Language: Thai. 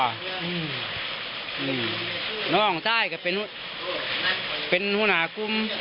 น้าวองค์จ้าไปเป็นฮุฯนาคุ้ม